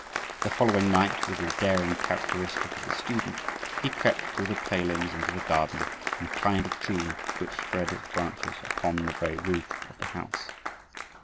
The following night, with the daring characteristic of the student, he crept through the palings into the garden and climbed a tree which spread its branches upon the very roof of the house.